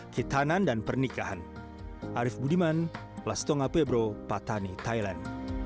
kitanan dan pernikahan